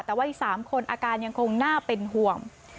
แต่ว่าอีก๓คนอาการยังคงน่าเป็นห่วง